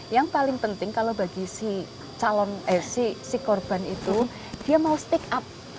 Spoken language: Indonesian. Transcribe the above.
yang paling penting kalau bagi si korban itu dia mau stick up